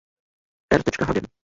R. Hagen.